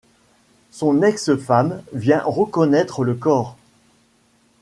Son ex-femme vient reconnaître le corps.